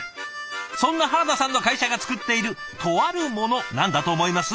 そんな原田さんの会社が作っているとあるもの何だと思います？